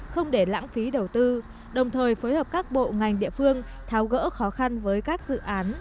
không để lãng phí đầu tư đồng thời phối hợp các bộ ngành địa phương tháo gỡ khó khăn với các dự án